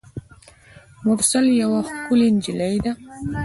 مرسل یوه ښکلي نجلۍ ده.